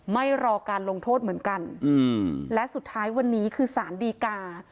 ไม่รอการลงโทษเหมือนกันและสุดท้ายวันนี้คือสารดีกา